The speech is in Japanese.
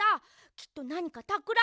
きっとなにかたくらんでる。